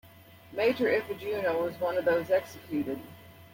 Major Ifejuna was one of those executed.